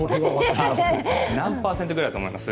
何％ぐらいだと思います？